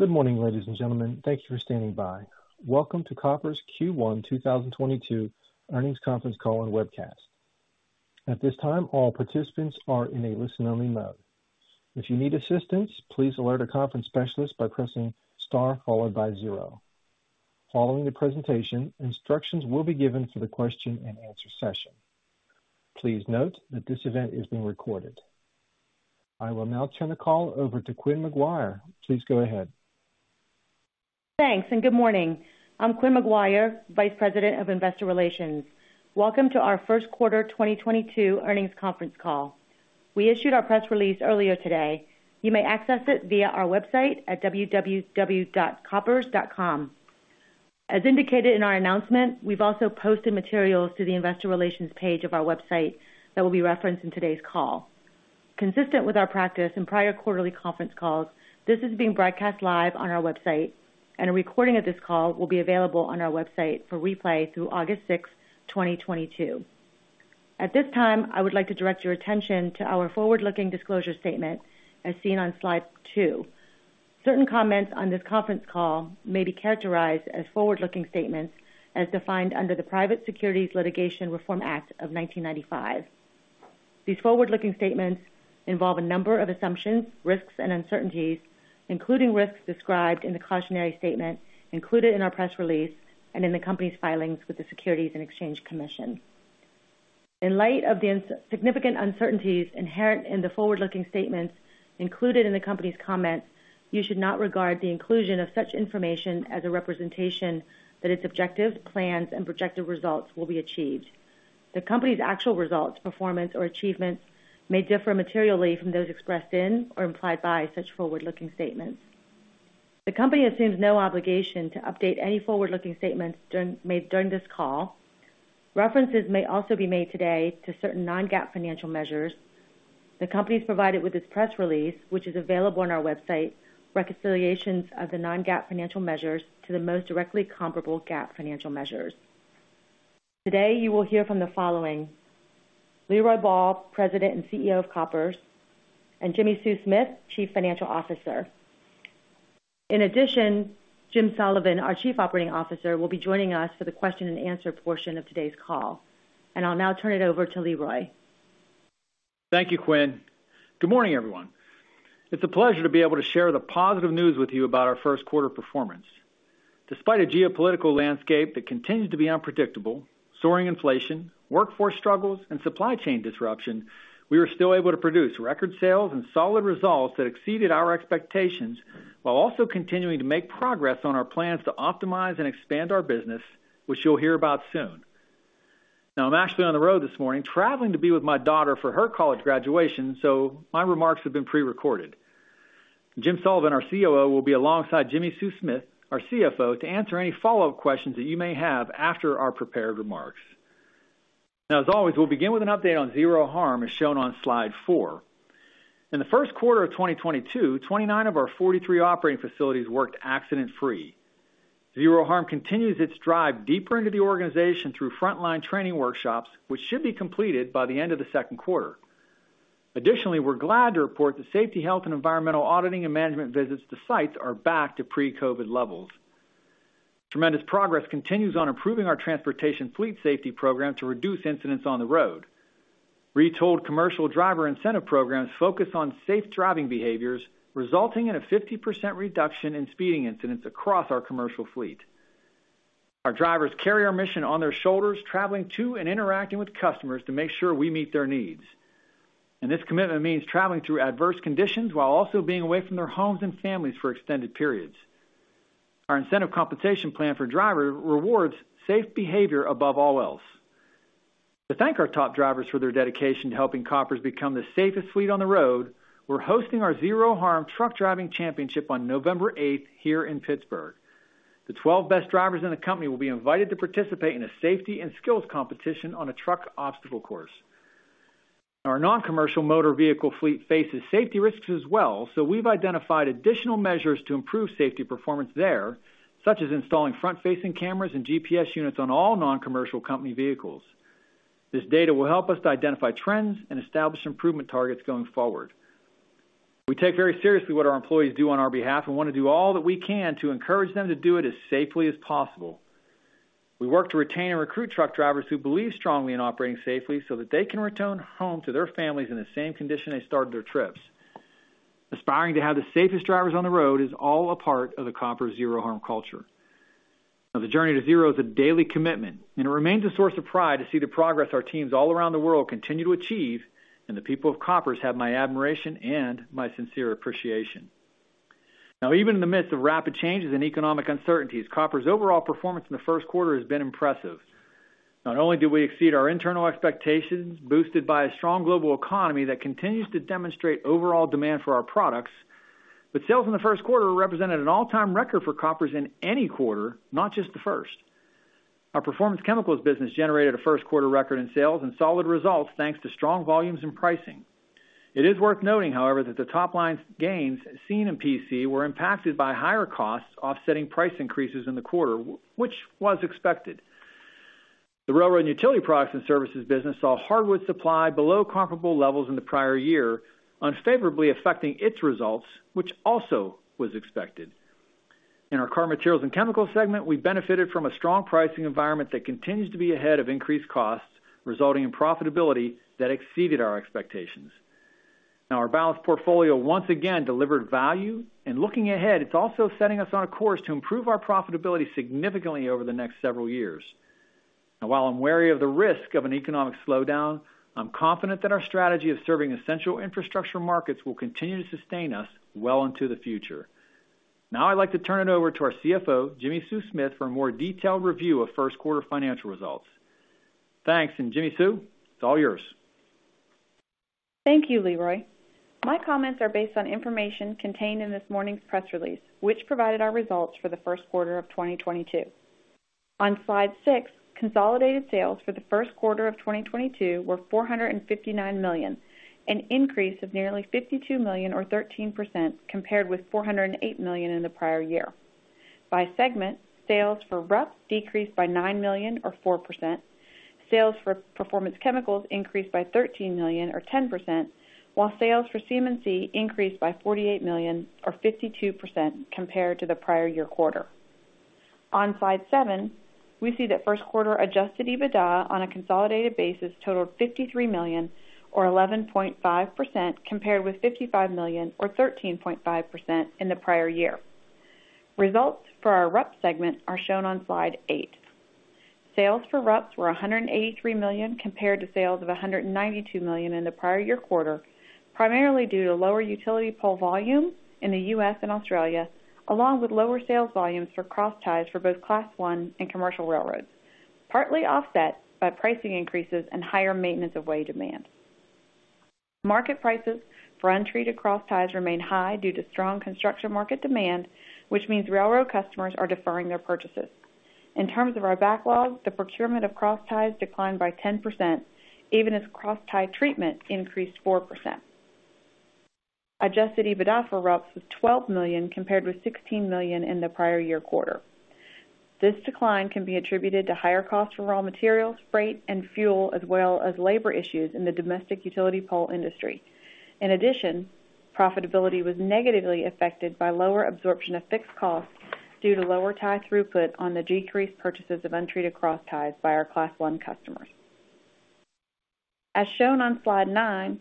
Good morning, ladies and gentlemen. Thank you for standing by. Welcome to Koppers' Q1 2022 Earnings Conference Call and Webcast. At this time, all participants are in a listen-only mode. If you need assistance, please alert a conference specialist by pressing star followed by zero. Following the presentation, instructions will be given for the question and answer session. Please note that this event is being recorded. I will now turn the call over to Quynh McGuire. Please go ahead. Thanks, and good morning. I'm Quynh McGuire, Vice President of Investor Relations. Welcome to our first quarter 2022 earnings conference call. We issued our press release earlier today. You may access it via our website at www.koppers.com. As indicated in our announcement, we've also posted materials to the investor relations page of our website that will be referenced in today's call. Consistent with our practice in prior quarterly conference calls, this is being broadcast live on our website, and a recording of this call will be available on our website for replay through August 6, 2022. At this time, I would like to direct your attention to our forward-looking disclosure statement as seen on slide two. Certain comments on this conference call may be characterized as forward-looking statements as defined under the Private Securities Litigation Reform Act of 1995. These forward-looking statements involve a number of assumptions, risks, and uncertainties, including risks described in the cautionary statement included in our press release and in the company's filings with the Securities and Exchange Commission. In light of the significant uncertainties inherent in the forward-looking statements included in the company's comments, you should not regard the inclusion of such information as a representation that its objectives, plans, and projected results will be achieved. The company's actual results, performance, or achievements may differ materially from those expressed in or implied by such forward-looking statements. The company assumes no obligation to update any forward-looking statements made during this call. References may also be made today to certain non-GAAP financial measures. The company has provided, with this press release, which is available on our website, reconciliations of the non-GAAP financial measures to the most directly comparable GAAP financial measures. Today, you will hear from the following: Leroy Ball, President and CEO of Koppers, and Jimmi Sue Smith, Chief Financial Officer. In addition, Jim Sullivan, our Chief Operating Officer, will be joining us for the question and answer portion of today's call. I'll now turn it over to Leroy. Thank you, Quinn. Good morning, everyone. It's a pleasure to be able to share the positive news with you about our first quarter performance. Despite a geopolitical landscape that continues to be unpredictable, soaring inflation, workforce struggles, and supply chain disruption, we were still able to produce record sales and solid results that exceeded our expectations while also continuing to make progress on our plans to optimize and expand our business, which you'll hear about soon. Now, I'm actually on the road this morning traveling to be with my daughter for her college graduation, so my remarks have been pre-recorded. Jim Sullivan, our COO, will be alongside Jimmi Sue Smith, our CFO, to answer any follow-up questions that you may have after our prepared remarks. Now, as always, we'll begin with an update on Zero Harm, as shown on slide four. In the first quarter of 2022, 29 of our 43 operating facilities worked accident-free. Zero Harm continues its drive deeper into the organization through frontline training workshops, which should be completed by the end of the second quarter. Additionally, we're glad to report that safety, health, and environmental auditing and management visits to sites are back to pre-COVID levels. Tremendous progress continues on improving our transportation fleet safety program to reduce incidents on the road. Rewarded commercial driver incentive programs focus on safe driving behaviors, resulting in a 50% reduction in speeding incidents across our commercial fleet. Our drivers carry our mission on their shoulders, traveling to and interacting with customers to make sure we meet their needs. This commitment means traveling through adverse conditions while also being away from their homes and families for extended periods. Our incentive compensation plan for drivers rewards safe behavior above all else. To thank our top drivers for their dedication to helping Koppers become the safest fleet on the road, we're hosting our Zero Harm Truck Driving Championship on November eighth here in Pittsburgh. The 12 best drivers in the company will be invited to participate in a safety and skills competition on a truck obstacle course. Our non-commercial motor vehicle fleet faces safety risks as well, so we've identified additional measures to improve safety performance there, such as installing front-facing cameras and GPS units on all non-commercial company vehicles. This data will help us to identify trends and establish improvement targets going forward. We take very seriously what our employees do on our behalf and wanna do all that we can to encourage them to do it as safely as possible. We work to retain and recruit truck drivers who believe strongly in operating safely so that they can return home to their families in the same condition they started their trips. Aspiring to have the safest drivers on the road is all a part of the Koppers Zero Harm culture. The journey to zero is a daily commitment, and it remains a source of pride to see the progress our teams all around the world continue to achieve, and the people of Koppers have my admiration and my sincere appreciation. Even in the midst of rapid changes and economic uncertainties, Koppers' overall performance in the first quarter has been impressive. Not only do we exceed our internal expectations, boosted by a strong global economy that continues to demonstrate overall demand for our products, but sales in the first quarter represented an all-time record for Koppers in any quarter, not just the first. Our Performance Chemicals business generated a first quarter record in sales and solid results, thanks to strong volumes and pricing. It is worth noting, however, that the top line's gains seen in PC were impacted by higher costs offsetting price increases in the quarter, which was expected. The railroad and utility products and services business saw hardwood supply below comparable levels in the prior year, unfavorably affecting its results, which also was expected. In our carbon materials and chemicals segment, we benefited from a strong pricing environment that continues to be ahead of increased costs, resulting in profitability that exceeded our expectations. Now our balanced portfolio once again delivered value, and looking ahead, it's also setting us on a course to improve our profitability significantly over the next several years. While I'm wary of the risk of an economic slowdown, I'm confident that our strategy of serving essential infrastructure markets will continue to sustain us well into the future. Now I'd like to turn it over to our CFO, Jimmi Sue Smith, for a more detailed review of first quarter financial results. Thanks, and Jimmi Sue, it's all yours. Thank you, Leroy. My comments are based on information contained in this morning's press release, which provided our results for the first quarter of 2022. On slide six, consolidated sales for the first quarter of 2022 were $459 million, an increase of nearly $52 million or 13% compared with $408 million in the prior year. By segment, sales for RUPS decreased by $9 million or 4%. Sales for Performance Chemicals increased by $13 million or 10%, while sales for CM&C increased by $48 million or 52% compared to the prior year quarter. On slide seven, we see that first quarter adjusted EBITDA on a consolidated basis totaled $53 million or 11.5% compared with $55 million or 13.5% in the prior year. Results for our RUPS segment are shown on slide eight. Sales for RUPS were $183 million compared to sales of $192 million in the prior year quarter, primarily due to lower utility pole volumes in the U.S. and Australia, along with lower sales volumes for cross ties for both Class I and commercial railroads, partly offset by pricing increases and higher maintenance of way demand. Market prices for untreated cross ties remain high due to strong construction market demand, which means railroad customers are deferring their purchases. In terms of our backlog, the procurement of cross ties declined by 10% even as cross tie treatment increased 4%. Adjusted EBITDA for RUPS was $12 million compared with $16 million in the prior year quarter. This decline can be attributed to higher costs for raw materials, freight, and fuel, as well as labor issues in the domestic utility pole industry. In addition, profitability was negatively affected by lower absorption of fixed costs due to lower tie throughput on the decreased purchases of untreated cross ties by our Class I customers. As shown on Slide nine,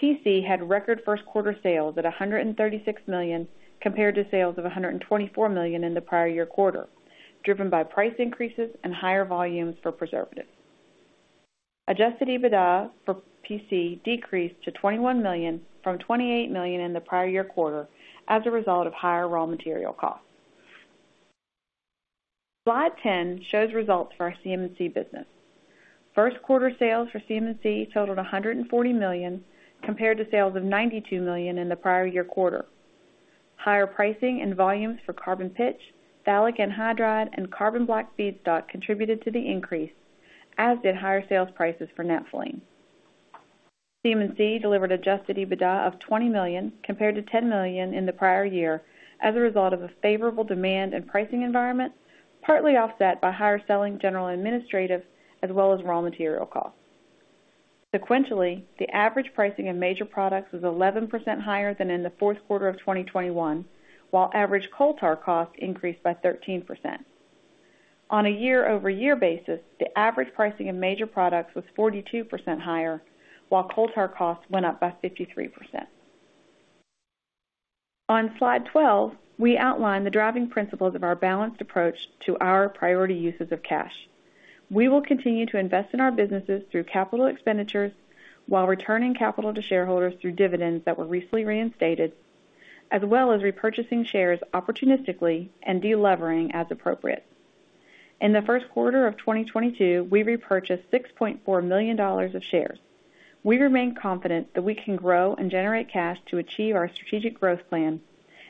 PC had record first quarter sales at $136 million compared to sales of $124 million in the prior year quarter, driven by price increases and higher volumes for preservatives. Adjusted EBITDA for PC decreased to $21 million from $28 million in the prior year quarter as a result of higher raw material costs. Slide 10 shows results for our CM&C business. First quarter sales for CM&C totaled $140 million compared to sales of $92 million in the prior year quarter. Higher pricing and volumes for carbon pitch, phthalic anhydride, and carbon black feedstock contributed to the increase, as did higher sales prices for naphthalene. CM&C delivered adjusted EBITDA of $20 million compared to $10 million in the prior year as a result of a favorable demand and pricing environment, partly offset by higher selling, general, and administrative as well as raw material costs. Sequentially, the average pricing in major products was 11% higher than in the fourth quarter of 2021, while average coal tar costs increased by 13%. On a year-over-year basis, the average pricing in major products was 42% higher, while coal tar costs went up by 53%. On Slide 12, we outline the driving principles of our balanced approach to our priority uses of cash. We will continue to invest in our businesses through capital expenditures while returning capital to shareholders through dividends that were recently reinstated, as well as repurchasing shares opportunistically and delevering as appropriate. In the first quarter of 2022, we repurchased $6.4 million of shares. We remain confident that we can grow and generate cash to achieve our strategic growth plan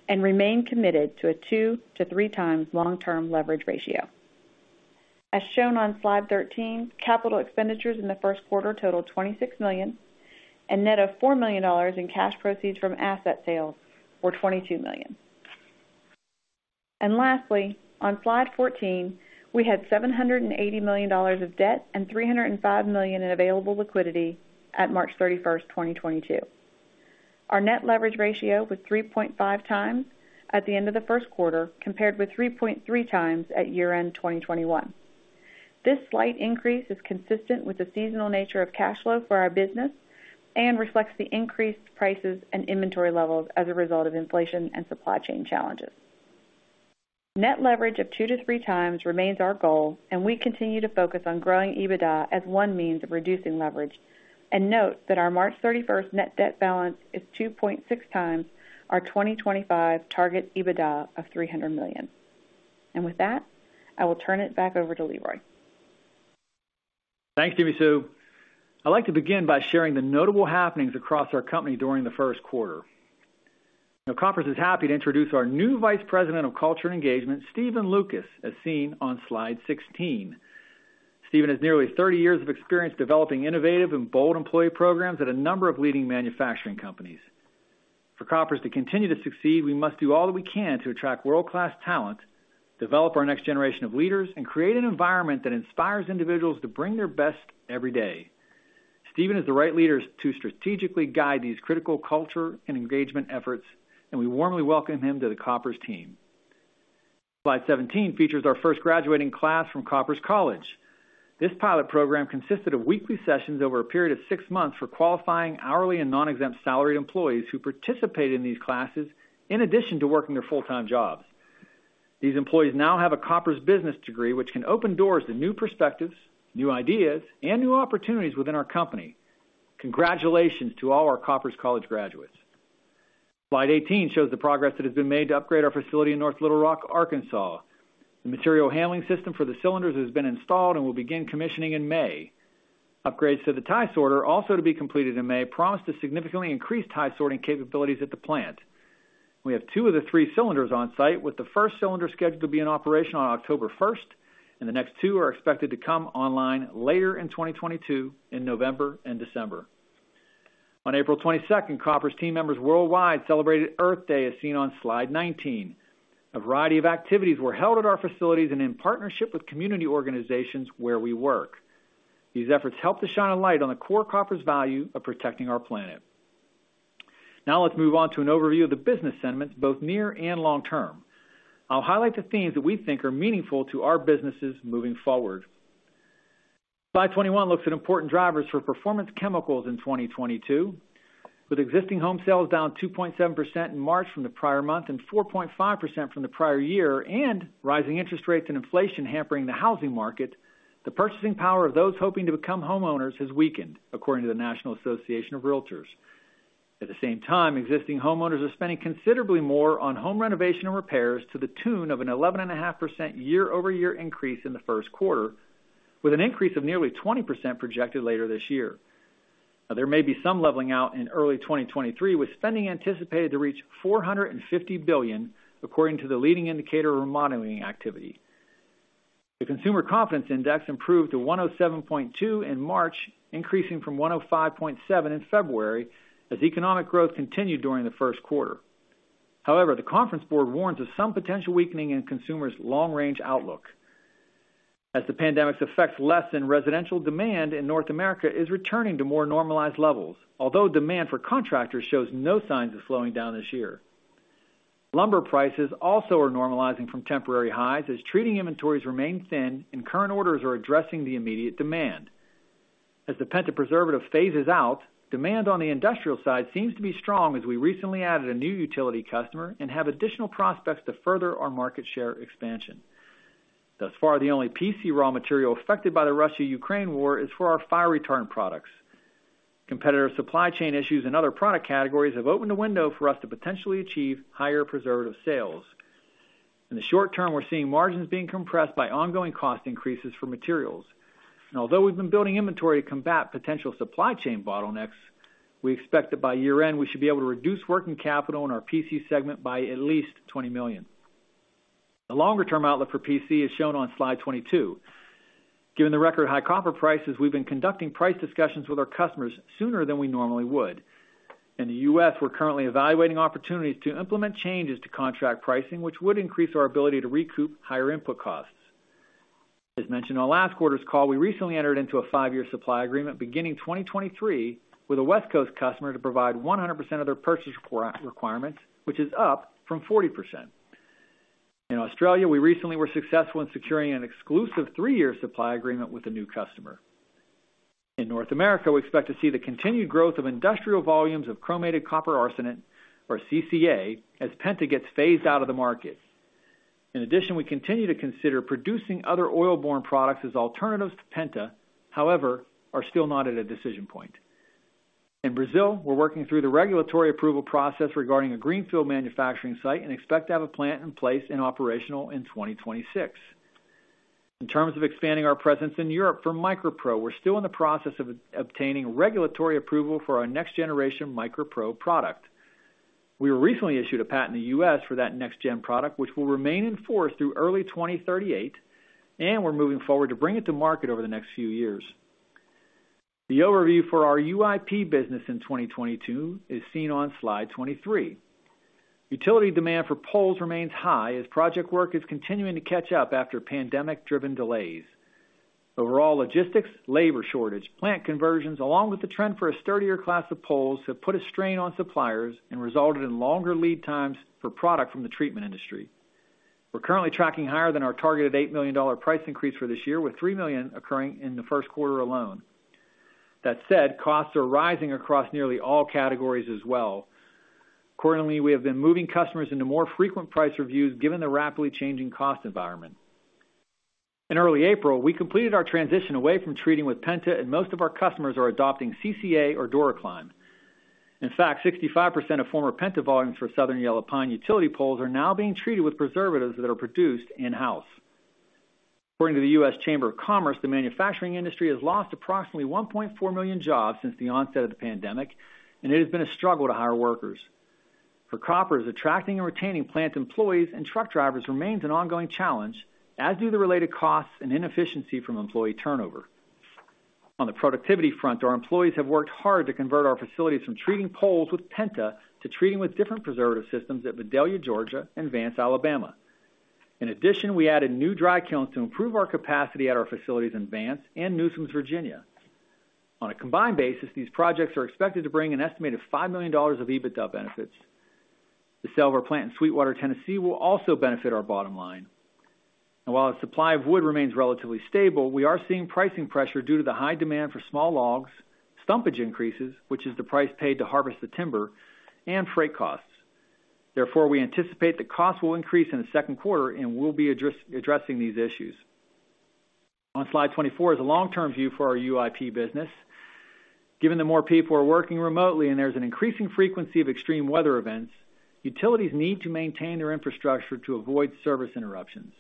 and remain committed to a two to three times long-term leverage ratio. As shown on Slide 13, capital expenditures in the first quarter totaled $26 million, and net of $4 million in cash proceeds from asset sales were $22 million. Lastly, on Slide 14, we had $780 million of debt and $305 million in available liquidity at March 31, 2022. Our net leverage ratio was 3.5 times at the end of the first quarter compared with 3.3 times at year-end 2021. This slight increase is consistent with the seasonal nature of cash flow for our business and reflects the increased prices and inventory levels as a result of inflation and supply chain challenges. Net leverage of two to three times remains our goal, and we continue to focus on growing EBITDA as one means of reducing leverage. Note that our March 31 net debt balance is 2.6 times our 2025 target EBITDA of $300 million. With that, I will turn it back over to Leroy. Thanks, Jimmi Sue. I'd like to begin by sharing the notable happenings across our company during the first quarter. Now, Koppers is happy to introduce our new Vice President of Culture and Engagement, Stephen Lucas, as seen on slide 16. Stephen has nearly 30 years of experience developing innovative and bold employee programs at a number of leading manufacturing companies. For Koppers to continue to succeed, we must do all that we can to attract world-class talent, develop our next generation of leaders, and create an environment that inspires individuals to bring their best every day. Stephen is the right leader to strategically guide these critical culture and engagement efforts, and we warmly welcome him to the Koppers team. Slide 17 features our first graduating class from Koppers College. This pilot program consisted of weekly sessions over a period of six months for qualifying hourly and non-exempt salaried employees who participate in these classes in addition to working their full-time jobs. These employees now have a Koppers business degree, which can open doors to new perspectives, new ideas, and new opportunities within our company. Congratulations to all our Koppers College graduates. Slide 18 shows the progress that has been made to upgrade our facility in North Little Rock, Arkansas. The material handling system for the cylinders has been installed and will begin commissioning in May. Upgrades to the tie sorter, also to be completed in May, promise to significantly increase tie sorting capabilities at the plant. We have two of the three cylinders on site, with the first cylinder scheduled to be in operation on October 1, and the next two are expected to come online later in 2022 in November and December. On April 22, Koppers team members worldwide celebrated Earth Day, as seen on slide 19. A variety of activities were held at our facilities and in partnership with community organizations where we work. These efforts helped to shine a light on the core Koppers value of protecting our planet. Now let's move on to an overview of the business sentiments, both near and long-term. I'll highlight the themes that we think are meaningful to our businesses moving forward. Slide 21 looks at important drivers for Performance Chemicals in 2022. With existing home sales down 2.7% in March from the prior month, and 4.5% from the prior year, and rising interest rates and inflation hampering the housing market, the purchasing power of those hoping to become homeowners has weakened, according to the National Association of REALTORS. At the same time, existing homeowners are spending considerably more on home renovation and repairs to the tune of an 11.5% year-over-year increase in the first quarter, with an increase of nearly 20% projected later this year. Now there may be some leveling out in early 2023, with spending anticipated to reach $450 billion, according to the Leading Indicator of Remodeling Activity. The Consumer Confidence Index improved to 107.2 in March, increasing from 105.7 in February as economic growth continued during the first quarter. However, the Conference Board warns of some potential weakening in consumers' long-range outlook. As the pandemic's effects lessen, residential demand in North America is returning to more normalized levels, although demand for contractors shows no signs of slowing down this year. Lumber prices also are normalizing from temporary highs as treating inventories remain thin, and current orders are addressing the immediate demand. As the penta preservative phases out, demand on the industrial side seems to be strong as we recently added a new utility customer and have additional prospects to further our market share expansion. Thus far, the only PC raw material affected by the Russia-Ukraine war is for our fire retardant products. Competitive supply chain issues in other product categories have opened a window for us to potentially achieve higher preservative sales. In the short-term, we're seeing margins being compressed by ongoing cost increases for materials. Although we've been building inventory to combat potential supply chain bottlenecks, we expect that by year-end, we should be able to reduce working capital in our PC segment by at least $20 million. The longer-term outlook for PC is shown on slide 22. Given the record high copper prices, we've been conducting price discussions with our customers sooner than we normally would. In the U.S., we're currently evaluating opportunities to implement changes to contract pricing, which would increase our ability to recoup higher input costs. As mentioned on last quarter's call, we recently entered into a five-year supply agreement beginning 2023 with a West Coast customer to provide 100% of their purchase requirements, which is up from 40%. In Australia, we recently were successful in securing an exclusive three-year supply agreement with a new customer. In North America, we expect to see the continued growth of industrial volumes of chromated copper arsenate, or CCA, as penta gets phased out of the market. In addition, we continue to consider producing other oil-borne products as alternatives to penta, however, are still not at a decision point. In Brazil, we're working through the regulatory approval process regarding a greenfield manufacturing site and expect to have a plant in place and operational in 2026. In terms of expanding our presence in Europe, for MicroPro, we're still in the process of obtaining regulatory approval for our next generation MicroPro product. We were recently issued a patent in the U.S. for that next gen product, which will remain in force through early 2038, and we're moving forward to bring it to market over the next few years. The overview for our UIP business in 2022 is seen on slide 23. Utility demand for poles remains high as project work is continuing to catch up after pandemic-driven delays. Overall logistics, labor shortage, plant conversions, along with the trend for a sturdier class of poles, have put a strain on suppliers and resulted in longer lead times for product from the treatment industry. We're currently tracking higher than our targeted $8 million price increase for this year, with $3 million occurring in the first quarter alone. That said, costs are rising across nearly all categories as well. Accordingly, we have been moving customers into more frequent price reviews given the rapidly changing cost environment. In early April, we completed our transition away from treating with penta, and most of our customers are adopting CCA or DuraPine. In fact, 65% of former penta volumes for southern yellow pine utility poles are now being treated with preservatives that are produced in-house. According to the U.S. Chamber of Commerce, the manufacturing industry has lost approximately 1.4 million jobs since the onset of the pandemic, and it has been a struggle to hire workers. For Koppers, attracting and retaining plant employees and truck drivers remains an ongoing challenge, as do the related costs and inefficiency from employee turnover. On the productivity front, our employees have worked hard to convert our facilities from treating poles with penta to treating with different preservative systems at Vidalia, Georgia, and Vance, Alabama. In addition, we added new dry kilns to improve our capacity at our facilities in Vance and Newsoms, Virginia. On a combined basis, these projects are expected to bring an estimated $5 million of EBITDA benefits. The sale of our plant in Sweetwater, Tennessee, will also benefit our bottom line. While the supply of wood remains relatively stable, we are seeing pricing pressure due to the high demand for small logs, stumpage increases, which is the price paid to harvest the timber, and freight costs. Therefore, we anticipate that costs will increase in the second quarter, and we'll be addressing these issues. On slide 24 is a long-term view for our UIP business. Given that more people are working remotely and there's an increasing frequency of extreme weather events, utilities need to maintain their infrastructure to avoid service interruptions.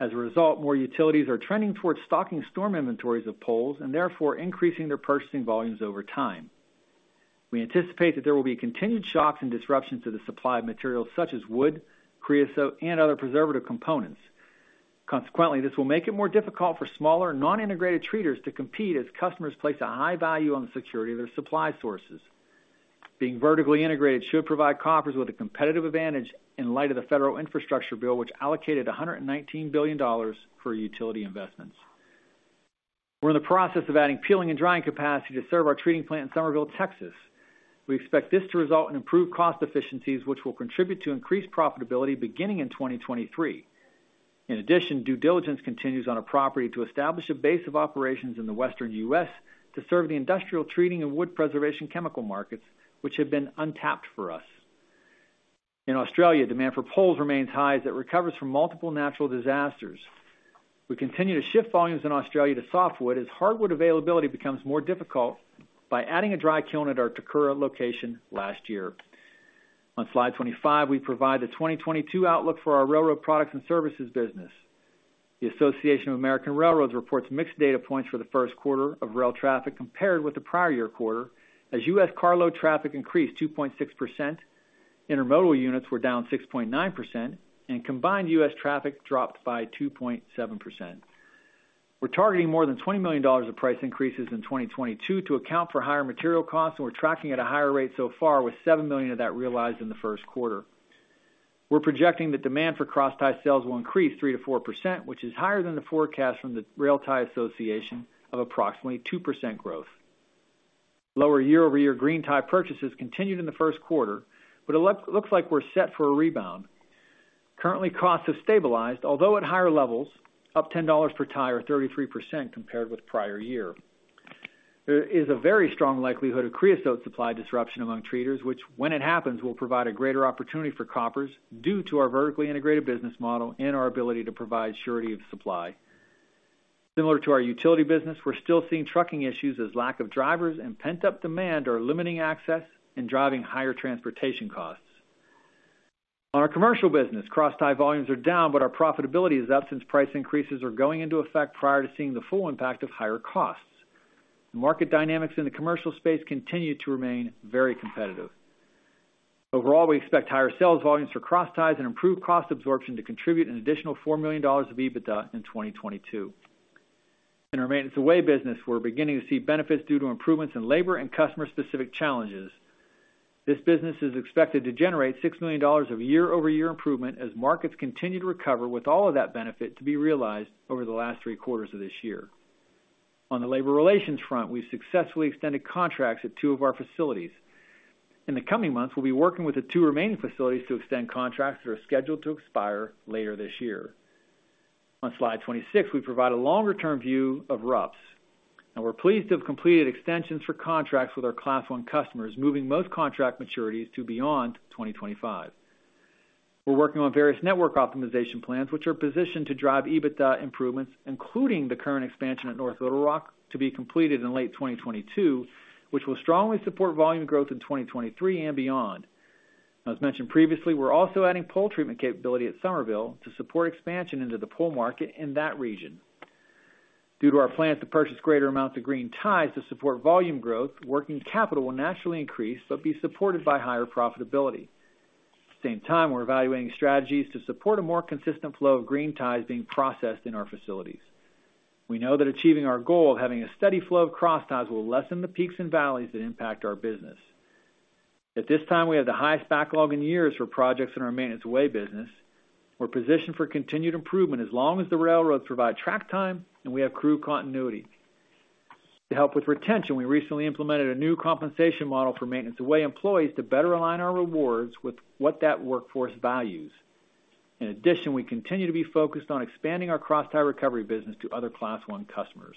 As a result, more utilities are trending towards stocking storm inventories of poles and therefore increasing their purchasing volumes over time. We anticipate that there will be continued shocks and disruptions to the supply of materials such as wood, creosote, and other preservative components. Consequently, this will make it more difficult for smaller, non-integrated treaters to compete as customers place a high value on the security of their supply sources. Being vertically integrated should provide Koppers with a competitive advantage in light of the federal infrastructure bill, which allocated $119 billion for utility investments. We're in the process of adding peeling and drying capacity to serve our treating plant in Somerville, Texas. We expect this to result in improved cost efficiencies, which will contribute to increased profitability beginning in 2023. In addition, due diligence continues on a property to establish a base of operations in the Western U.S. to serve the industrial treating and wood preservation chemical markets, which have been untapped for us. In Australia, demand for poles remains high as it recovers from multiple natural disasters. We continue to shift volumes in Australia to softwood as hardwood availability becomes more difficult by adding a dry kiln at our Takura location last year. On slide 25, we provide the 2022 outlook for our railroad products and services business. The Association of American Railroads reports mixed data points for the first quarter of rail traffic compared with the prior year quarter, as U.S. carload traffic increased 2.6%, intermodal units were down 6.9%, and combined U.S. traffic dropped by 2.7%. We're targeting more than $20 million of price increases in 2022 to account for higher material costs, and we're tracking at a higher rate so far with $7 million of that realized in the first quarter. We're projecting that demand for crosstie sales will increase 3%-4%, which is higher than the forecast from the Railway Tie Association of approximately 2% growth. Lower year-over-year green tie purchases continued in the first quarter, but it looks like we're set for a rebound. Currently, costs have stabilized, although at higher levels, up $10 per tie, 33% compared with prior year. There is a very strong likelihood of creosote supply disruption among treaters, which, when it happens, will provide a greater opportunity for Koppers due to our vertically integrated business model and our ability to provide surety of supply. Similar to our utility business, we're still seeing trucking issues as lack of drivers and pent-up demand are limiting access and driving higher transportation costs. On our commercial business, crosstie volumes are down, but our profitability is up since price increases are going into effect prior to seeing the full impact of higher costs. The market dynamics in the commercial space continue to remain very competitive. Overall, we expect higher sales volumes for crossties and improved cost absorption to contribute an additional $4 million of EBITDA in 2022. In our maintenance-of-way business, we're beginning to see benefits due to improvements in labor and customer-specific challenges. This business is expected to generate $6 million of year-over-year improvement as markets continue to recover, with all of that benefit to be realized over the last three quarters of this year. On the labor relations front, we've successfully extended contracts at two of our facilities. In the coming months, we'll be working with the two remaining facilities to extend contracts that are scheduled to expire later this year. On slide 26, we provide a longer-term view of RUPS. Now we're pleased to have completed extensions for contracts with our Class I customers, moving most contract maturities to beyond 2025. We're working on various network optimization plans, which are positioned to drive EBITDA improvements, including the current expansion at North Little Rock to be completed in late 2022, which will strongly support volume growth in 2023 and beyond. As mentioned previously, we're also adding pole treatment capability at Somerville to support expansion into the pole market in that region. Due to our plans to purchase greater amounts of green ties to support volume growth, working capital will naturally increase but be supported by higher profitability. At the same time, we're evaluating strategies to support a more consistent flow of green ties being processed in our facilities. We know that achieving our goal of having a steady flow of crossties will lessen the peaks and valleys that impact our business. At this time, we have the highest backlog in years for projects in our maintenance-of-way business. We're positioned for continued improvement as long as the railroads provide track time and we have crew continuity. To help with retention, we recently implemented a new compensation model for maintenance-of-way employees to better align our rewards with what that workforce values. In addition, we continue to be focused on expanding our crosstie recovery business to other Class I customers.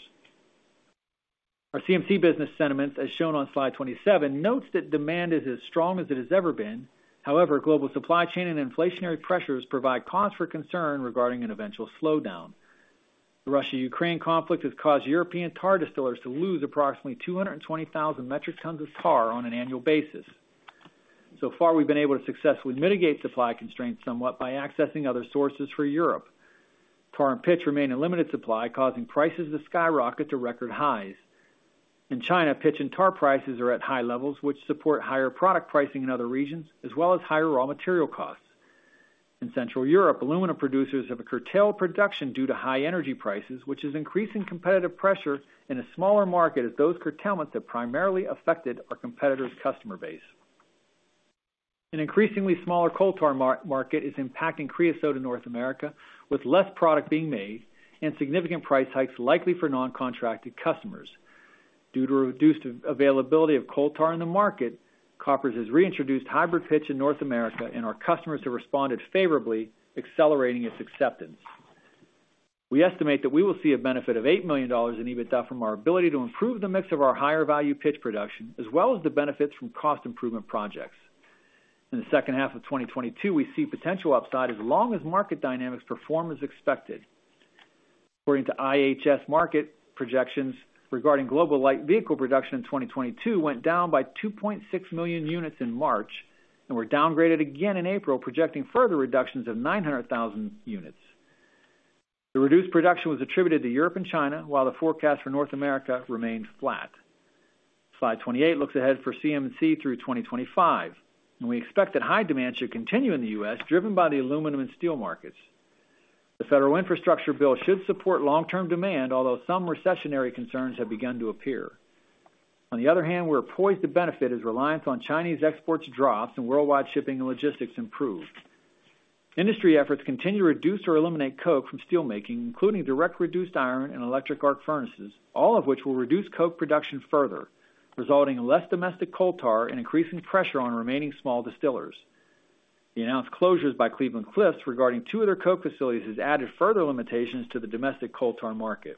Our CMC business sentiments, as shown on slide 27, notes that demand is as strong as it has ever been. However, global supply chain and inflationary pressures provide cause for concern regarding an eventual slowdown. The Russia-Ukraine conflict has caused European tar distillers to lose approximately 200,000 metric tons of tar on an annual basis. So far, we've been able to successfully mitigate supply constraints somewhat by accessing other sources for Europe. Tar and pitch remain in limited supply, causing prices to skyrocket to record highs. In China, pitch and tar prices are at high levels, which support higher product pricing in other regions, as well as higher raw material costs. In Central Europe, aluminum producers have curtailed production due to high energy prices, which is increasing competitive pressure in a smaller market as those curtailments have primarily affected our competitors' customer base. An increasingly smaller coal tar market is impacting creosote in North America, with less product being made and significant price hikes likely for non-contracted customers. Due to reduced availability of coal tar in the market, Koppers has reintroduced hybrid pitch in North America, and our customers have responded favorably, accelerating its acceptance. We estimate that we will see a benefit of $8 million in EBITDA from our ability to improve the mix of our higher-value pitch production, as well as the benefits from cost improvement projects. In the second half of 2022, we see potential upside as long as market dynamics perform as expected. According to IHS Markit projections regarding global light vehicle production in 2022 went down by 2.6 million units in March and were downgraded again in April, projecting further reductions of 900,000 units. The reduced production was attributed to Europe and China, while the forecast for North America remained flat. Slide 28 looks ahead for CM&C through 2025, and we expect that high demand should continue in the U.S., driven by the aluminum and steel markets. The federal infrastructure bill should support long-term demand, although some recessionary concerns have begun to appear. On the other hand, we're poised to benefit as reliance on Chinese exports drops and worldwide shipping and logistics improve. Industry efforts continue to reduce or eliminate coke from steelmaking, including direct reduced iron and electric arc furnaces, all of which will reduce coke production further, resulting in less domestic coal tar and increasing pressure on remaining small distillers. The announced closures by Cleveland-Cliffs regarding two of their coke facilities has added further limitations to the domestic coal tar market.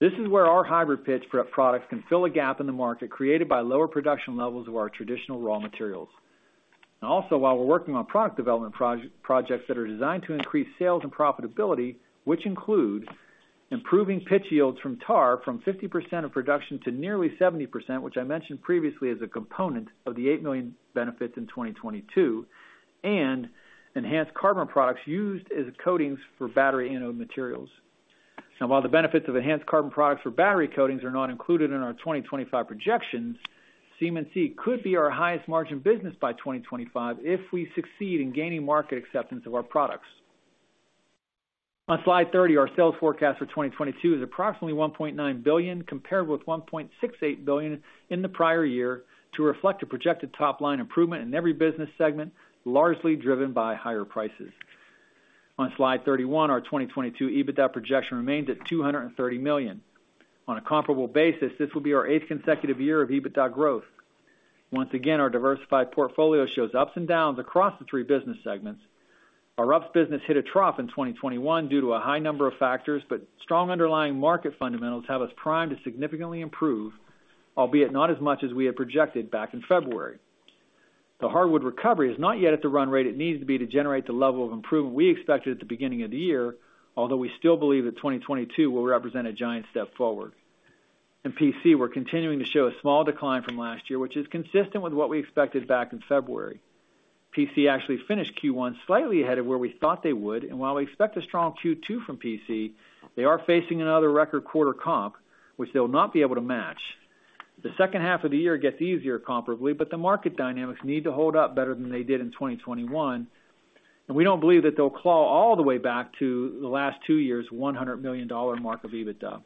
This is where our hybrid pitch products can fill a gap in the market created by lower production levels of our traditional raw materials. Now also while we're working on product development projects that are designed to increase sales and profitability, which include improving pitch yields from tar from 50% of production to nearly 70%, which I mentioned previously is a component of the $8 million benefits in 2022, and enhanced carbon products used as coatings for battery anode materials. Now while the benefits of enhanced carbon products for battery coatings are not included in our 2025 projections, CM&C could be our highest margin business by 2025 if we succeed in gaining market acceptance of our products. On slide 30, our sales forecast for 2022 is approximately $1.9 billion, compared with $1.68 billion in the prior year, to reflect a projected top-line improvement in every business segment, largely driven by higher prices. On slide 31, our 2022 EBITDA projection remains at $230 million. On a comparable basis, this will be our eighth consecutive year of EBITDA growth. Once again, our diversified portfolio shows ups and downs across the three business segments. Our RUPS business hit a trough in 2021 due to a high number of factors, but strong underlying market fundamentals have us primed to significantly improve, albeit not as much as we had projected back in February. The hardwood recovery is not yet at the run rate it needs to be to generate the level of improvement we expected at the beginning of the year, although we still believe that 2022 will represent a giant step forward. In PC, we're continuing to show a small decline from last year, which is consistent with what we expected back in February. PC actually finished Q1 slightly ahead of where we thought they would, and while we expect a strong Q2 from PC, they are facing another record quarter comp, which they'll not be able to match. The second half of the year gets easier comparably, but the market dynamics need to hold up better than they did in 2021. We don't believe that they'll claw all the way back to the last two years' $100 million mark of EBITDA.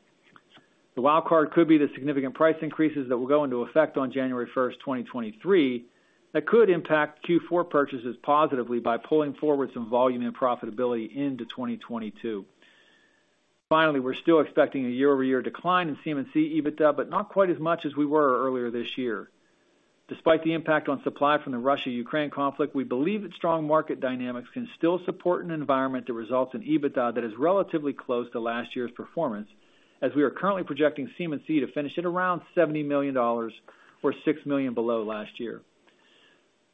The wild card could be the significant price increases that will go into effect on January first, 2023, that could impact Q4 purchases positively by pulling forward some volume and profitability into 2022. Finally, we're still expecting a year-over-year decline in CM&C EBITDA, but not quite as much as we were earlier this year. Despite the impact on supply from the Russia-Ukraine conflict, we believe that strong market dynamics can still support an environment that results in EBITDA that is relatively close to last year's performance, as we are currently projecting CM&C to finish at around $70 million or $6 million below last year.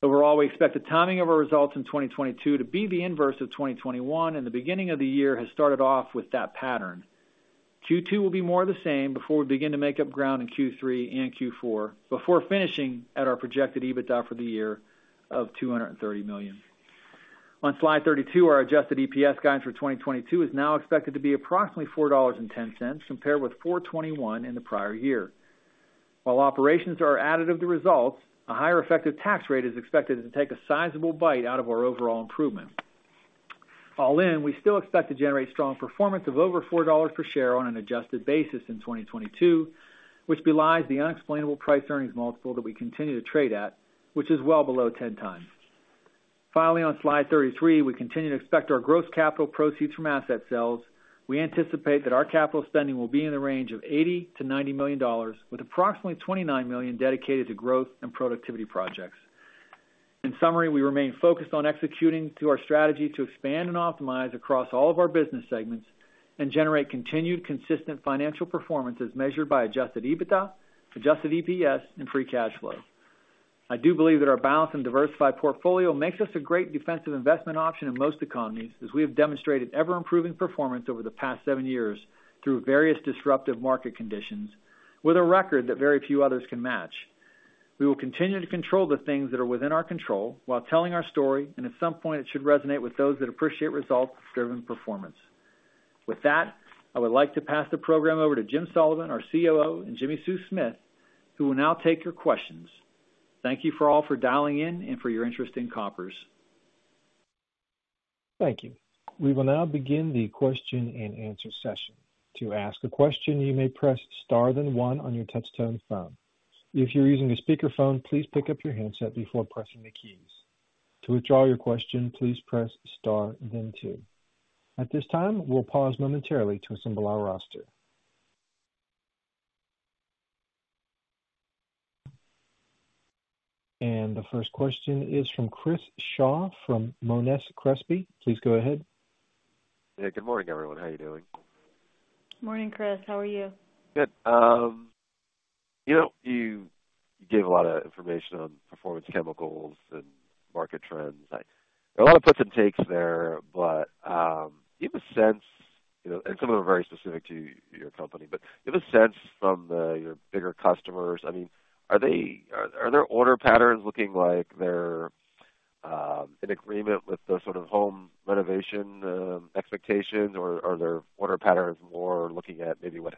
Overall, we expect the timing of our results in 2022 to be the inverse of 2021, and the beginning of the year has started off with that pattern. Q2 will be more the same before we begin to make up ground in Q3 and Q4, before finishing at our projected EBITDA for the year of $230 million. On slide 32, our adjusted EPS guidance for 2022 is now expected to be approximately $4.10 compared with $4.21 in the prior year. While operations are additive to results, a higher effective tax rate is expected to take a sizable bite out of our overall improvement. All in, we still expect to generate strong performance of over $4 per share on an adjusted basis in 2022, which belies the unexplainable price earnings multiple that we continue to trade at, which is well below 10x. Finally, on slide 33, we continue to expect our gross capital proceeds from asset sales. We anticipate that our capital spending will be in the range of $80-$90 million, with approximately $29 million dedicated to growth and productivity projects. In summary, we remain focused on executing to our strategy to expand and optimize across all of our business segments and generate continued consistent financial performance as measured by adjusted EBITDA, adjusted EPS, and free cash flow. I do believe that our balanced and diversified portfolio makes us a great defensive investment option in most economies, as we have demonstrated ever-improving performance over the past seven years through various disruptive market conditions with a record that very few others can match. We will continue to control the things that are within our control while telling our story, and at some point, it should resonate with those that appreciate results-driven performance. With that, I would like to pass the program over to Jim Sullivan, our COO, and Jimmi Sue Smith, who will now take your questions. Thank you all for dialing in and for your interest in Koppers. Thank you. We will now begin the question and answer session. To ask a question, you may press star then one on your touchtone phone. If you're using a speakerphone, please pick up your handset before pressing the keys. To withdraw your question, please press star then two. At this time, we'll pause momentarily to assemble our roster. The first question is from Chris Shaw from Monness, Crespi, Hardt & Co. Please go ahead. Yeah, good morning, everyone. How are you doing? Morning, Chris. How are you? Good. You know, you gave a lot of information on Performance Chemicals and market trends. A lot of puts and takes there, but you have a sense, you know, and some of them are very specific to your company, but you have a sense from your bigger customers. I mean, are their order patterns looking like they're in agreement with the sort of home renovation expectations or are their order patterns more looking at maybe what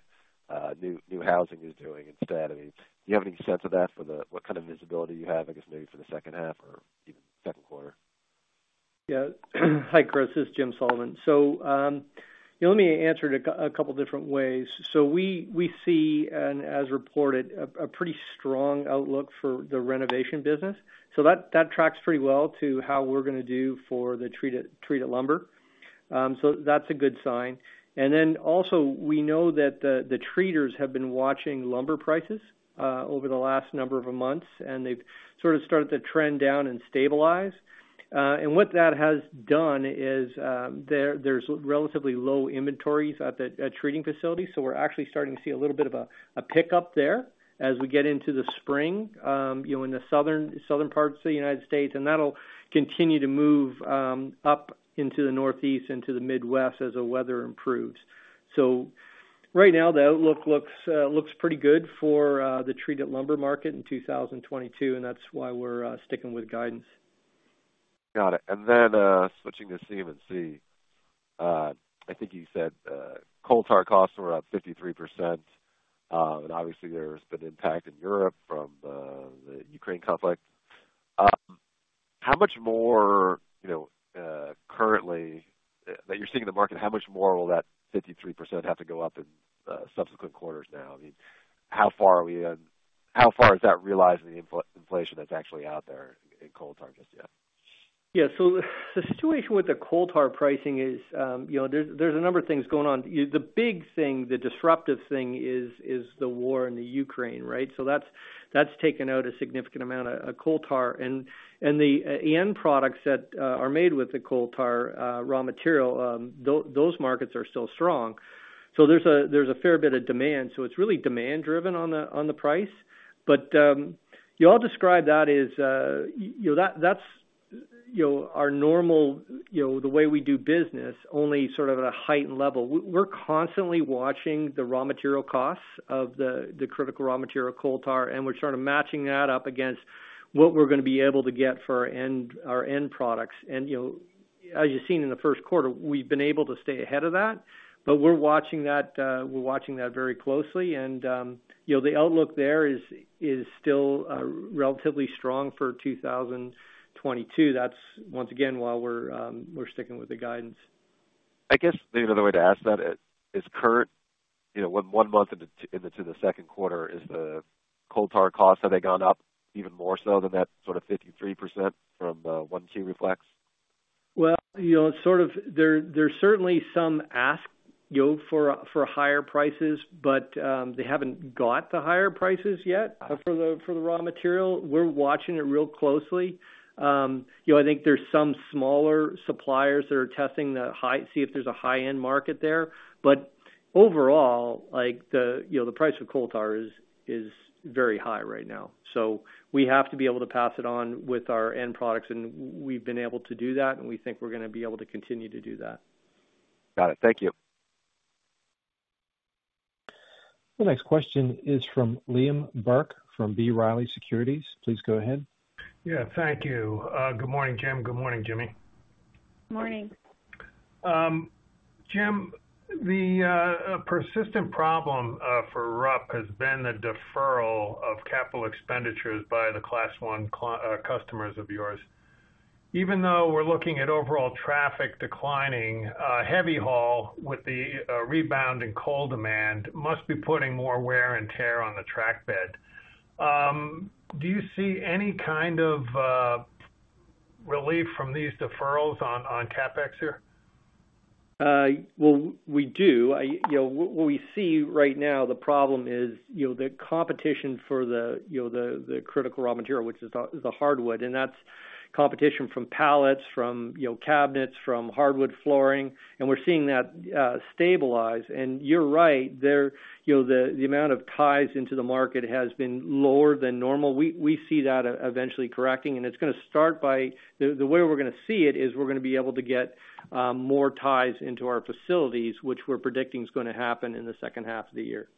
new housing is doing instead? I mean, do you have any sense of that for what kind of visibility you have, I guess maybe for the second half or even second quarter? Yeah. Hi, Chris. This is Jim Sullivan. Let me answer it a couple different ways. We see and as reported, a pretty strong outlook for the renovation business. That tracks pretty well to how we're gonna do for the treated lumber. That's a good sign. Then also we know that the treaters have been watching lumber prices over the last number of months, and they've sort of started to trend down and stabilize. What that has done is, there's relatively low inventories at treating facilities. We're actually starting to see a little bit of a pickup there as we get into the spring, you know, in the southern parts of the United States, and that'll continue to move up into the Northeast, into the Midwest as the weather improves. Right now the outlook looks pretty good for the treated lumber market in 2022, and that's why we're sticking with guidance. Got it. Switching to CM&C. I think you said coal tar costs were up 53%. Obviously there's been impact in Europe from the Ukraine conflict. How much more, you know, currently that you're seeing in the market, how much more will that 53% have to go up in subsequent quarters now? I mean, how far are we in? How far is that realizing the inflation that's actually out there in coal tar just yet? Yeah. The situation with the coal tar pricing is, you know, there's a number of things going on. The big thing, the disruptive thing is the war in Ukraine, right? That's taken out a significant amount of coal tar. The end products that are made with the coal tar raw material, those markets are still strong. There's a fair bit of demand. It's really demand driven on the price. You all describe that as, you know, that's, you know, our normal, you know, the way we do business, only sort of at a heightened level. We're constantly watching the raw material costs of the critical raw material coal tar, and we're sort of matching that up against what we're gonna be able to get for our end products. You know, as you've seen in the first quarter, we've been able to stay ahead of that. We're watching that very closely. You know, the outlook there is still relatively strong for 2022. That's once again why we're sticking with the guidance. I guess maybe another way to ask that is current, you know, one month into the second quarter, is the coal tar costs, have they gone up even more so than that sort of 53% from 1Q reflects? Well, you know, sort of there's certainly some ask, you know, for higher prices, but they haven't got the higher prices yet for the raw material. We're watching it real closely. You know, I think there's some smaller suppliers that are testing to see if there's a high-end market there. But overall, like the, you know, the price of coal tar is very high right now. So we have to be able to pass it on with our end products, and we've been able to do that, and we think we're gonna be able to continue to do that. Got it. Thank you. The next question is from Liam Burke from B. Riley Securities. Please go ahead. Yeah, thank you. Good morning, Jim. Good morning, Jimmi. Morning. Jim, the persistent problem for RUPS has been the deferral of capital expenditures by the Class I customers of yours. Even though we're looking at overall traffic declining, heavy haul with the rebound in coal demand must be putting more wear and tear on the track bed. Do you see any kind of relief from these deferrals on CapEx here? Well, we do. You know, what we see right now, the problem is, you know, the competition for the critical raw material, which is the hardwood, and that's competition from pallets, you know, cabinets, from hardwood flooring. We're seeing that stabilize. You're right, you know, the amount of ties into the market has been lower than normal. We see that eventually correcting, and it's gonna start by the way we're gonna see it is we're gonna be able to get more ties into our facilities, which we're predicting is gonna happen in the second half of the year.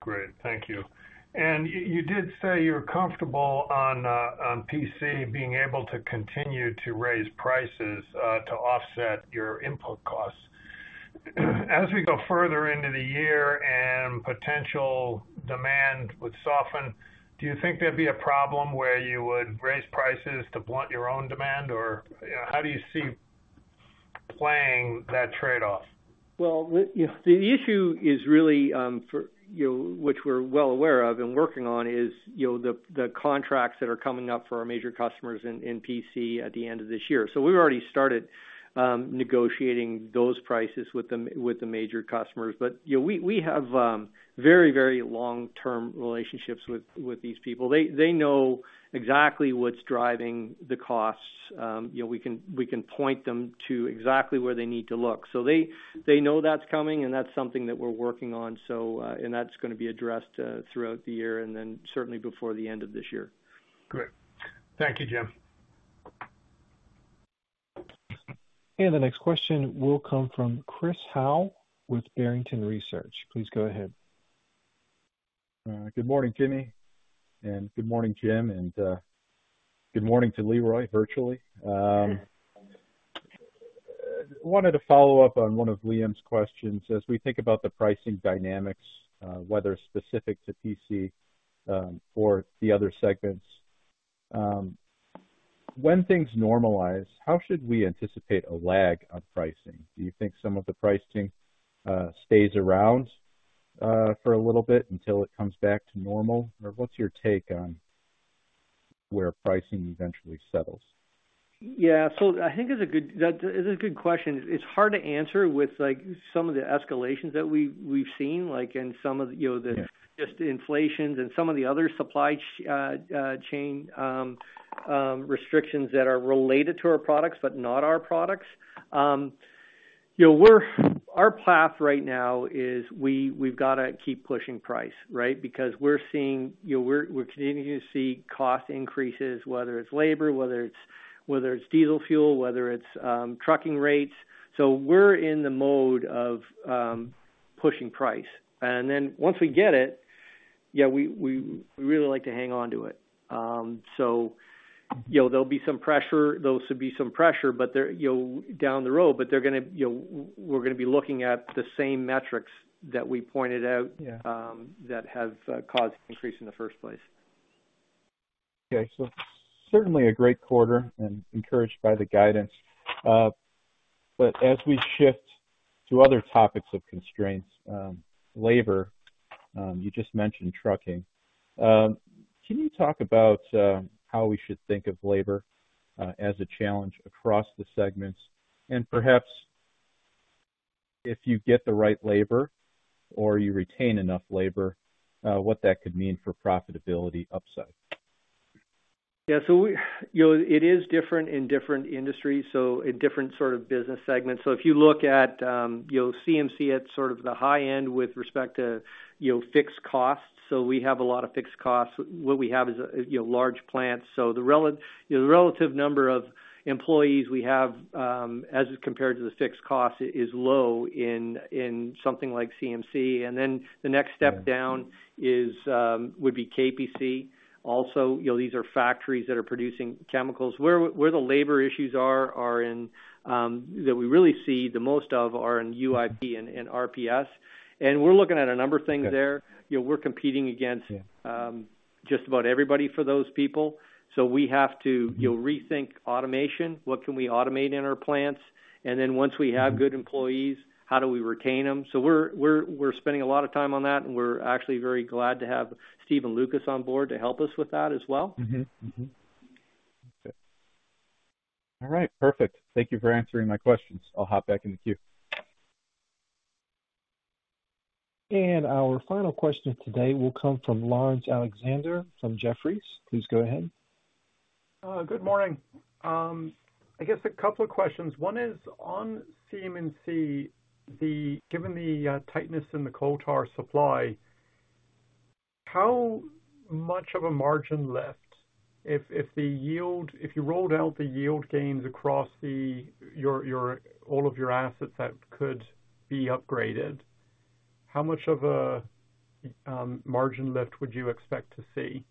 Great. Thank you. You did say you're comfortable on PC being able to continue to raise prices to offset your input costs. As we go further into the year and potential demand would soften, do you think there'd be a problem where you would raise prices to blunt your own demand? Or how do you see playing that trade-off? Well, you know, the issue is really, you know, which we're well aware of and working on is, you know, the contracts that are coming up for our major customers in PC at the end of this year. We've already started negotiating those prices with the major customers. You know, we have very long-term relationships with these people. They know exactly what's driving the costs. You know, we can point them to exactly where they need to look. They know that's coming, and that's something that we're working on. And that's gonna be addressed throughout the year and then certainly before the end of this year. Great. Thank you, Jim. The next question will come from Chris Howe with Barrington Research. Please go ahead. Good morning, Jimmi. Good morning, Jim, and good morning to Leroy, virtually. Wanted to follow up on one of Liam's questions. As we think about the pricing dynamics, whether specific to PC, or the other segments, when things normalize, how should we anticipate a lag on pricing? Do you think some of the pricing stays around for a little bit until it comes back to normal? Or what's your take on where pricing eventually settles? Yeah. I think that is a good question. It's hard to answer with, like, some of the escalations that we've seen, like, and some of, you know, the Yeah. just inflation and some of the other supply chain restrictions that are related to our products but not our products. You know, our path right now is we've gotta keep pushing price, right? Because we're seeing, you know, we're continuing to see cost increases, whether it's labor, whether it's, whether it's diesel fuel, whether it's trucking rates. We're in the mode of pushing price. Then once we get it, yeah, we really like to hang on to it. You know, there'll be some pressure, those would be some pressure, but they're, you know, down the road. They're gonna, you know, we're gonna be looking at the same metrics that we pointed out. Yeah. that have caused increase in the first place. Okay. Certainly a great quarter and encouraged by the guidance. As we shift to other topics of constraints, labor, you just mentioned trucking. Can you talk about how we should think of labor as a challenge across the segments? Perhaps if you get the right labor or you retain enough labor, what that could mean for profitability upside? Yeah. You know, it is different in different industries, so in different sort of business segments. If you look at CMC at sort of the high end with respect to fixed costs. We have a lot of fixed costs. What we have is large plants. The relative number of employees we have as compared to the fixed cost is low in something like CMC. The next step down would be PC. These are factories that are producing chemicals. The labor issues that we really see the most of are in UIP and RPS. We're looking at a number of things there. Okay. You know, we're competing against just about everybody for those people. We have to, you know, rethink automation. What can we automate in our plants? Once we have good employees, how do we retain them? We're spending a lot of time on that, and we're actually very glad to have Stephen Lucas on board to help us with that as well. Okay. All right. Perfect. Thank you for answering my questions. I'll hop back in the queue. Our final question today will come from Laurence Alexander from Jefferies. Please go ahead. Good morning. I guess a couple of questions. One is on CMC, given the tightness in the coal tar supply, how much of a margin left? If you rolled out the yield gains across all of your assets that could be upgraded, how much of a margin lift would you expect to see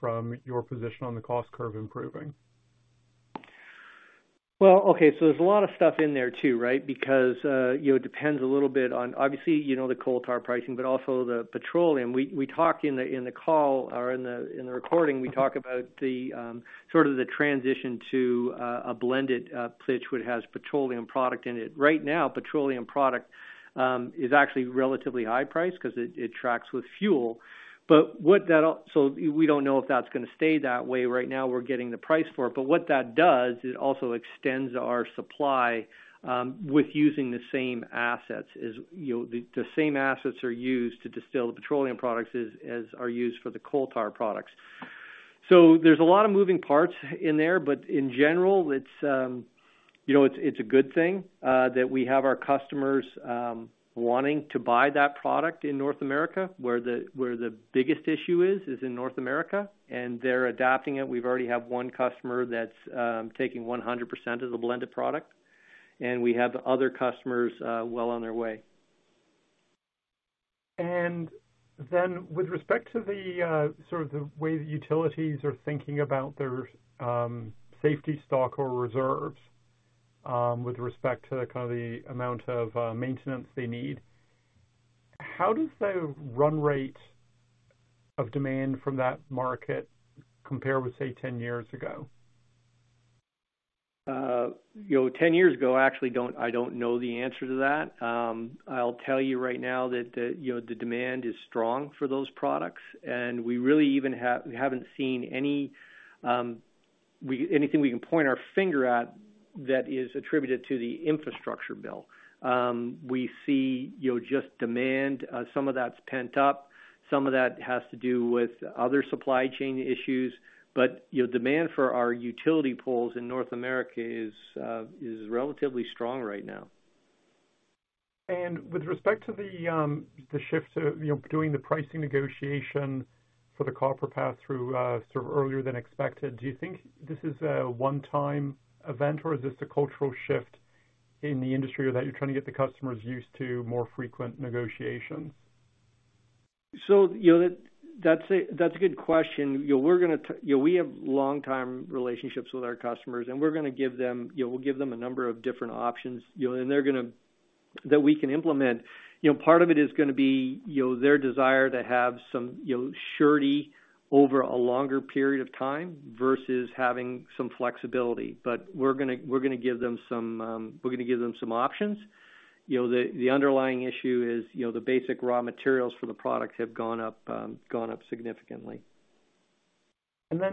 from your position on the cost curve improving? Well, okay, there's a lot of stuff in there too, right? Because, you know, it depends a little bit on obviously, you know, the coal tar pricing, but also the petroleum. We talked in the call or in the recording. We talk about the sort of the transition to a blended pitch which has petroleum product in it. Right now, petroleum product is actually relatively high priced 'cause it tracks with fuel. We don't know if that's gonna stay that way. Right now we're getting the price for it. What that does, it also extends our supply with using the same assets as, you know, the same assets are used to distill the petroleum products as are used for the coal tar products. There's a lot of moving parts in there. In general, it's, you know, it's a good thing that we have our customers wanting to buy that product in North America, where the biggest issue is in North America, and they're adapting it. We've already have one customer that's taking 100% of the blended product. We have other customers well on their way. With respect to the sort of way the utilities are thinking about their safety stock or reserves, with respect to kind of the amount of maintenance they need, how does the run rate of demand from that market compare with, say, 10 years ago? You know, 10 years ago, I don't know the answer to that. I'll tell you right now that the, you know, the demand is strong for those products, and we haven't seen any, anything we can point our finger at that is attributed to the infrastructure bill. We see, you know, just demand. Some of that's pent up. Some of that has to do with other supply chain issues. You know, demand for our utility poles in North America is relatively strong right now. With respect to the shift to, you know, doing the pricing negotiation for the Koppers pass-through, sort of earlier than expected, do you think this is a one-time event, or is this a cultural shift in the industry that you're trying to get the customers used to more frequent negotiations? You know, that's a good question. You know, we're gonna. You know, we have long-term relationships with our customers, and we're gonna give them, you know, we'll give them a number of different options, you know, and they're gonna that we can implement. You know, part of it is gonna be, you know, their desire to have some, you know, surety over a longer period of time versus having some flexibility. We're gonna give them some, we're gonna give them some options. You know, the underlying issue is, you know, the basic raw materials for the products have gone up significantly.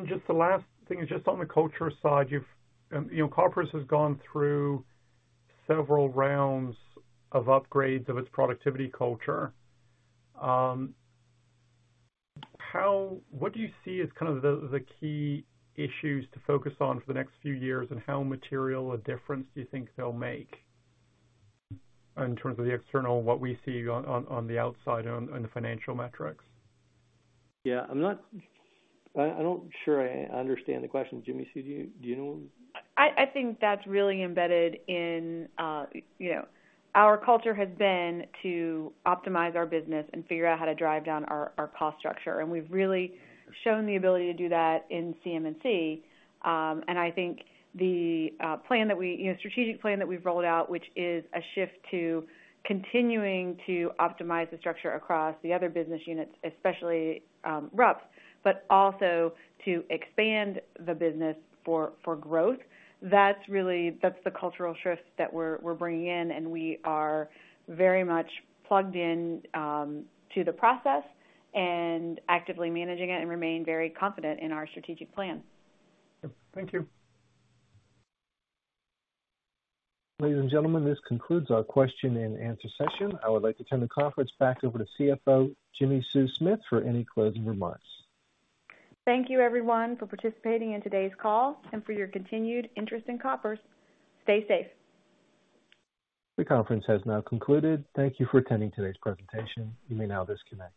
Just the last thing is just on the culture side. You know, Koppers has gone through several rounds of upgrades of its productivity culture. What do you see as kind of the key issues to focus on for the next few years and how material a difference do you think they'll make in terms of the external, what we see on the outside, on the financial metrics? Yeah, I'm not sure I understand the question. Jimmy Sue, do you know what- I think that's really embedded in, you know, our culture has been to optimize our business and figure out how to drive down our cost structure. We've really shown the ability to do that in CM&C. I think the strategic plan that we've rolled out, which is a shift to continuing to optimize the structure across the other business units, especially RUPS, but also to expand the business for growth. That's the cultural shift that we're bringing in, and we are very much plugged in to the process and actively managing it and remain very confident in our strategic plan. Thank you. Ladies and gentlemen, this concludes our question and answer session. I would like to turn the conference back over to CFO Jimmi Sue Smith for any closing remarks. Thank you, everyone, for participating in today's call and for your continued interest in Koppers. Stay safe. The conference has now concluded. Thank you for attending today's presentation. You may now disconnect.